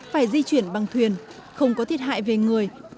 phải di chuyển bằng thuyền không có thiệt hại về người